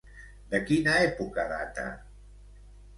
De quina època data?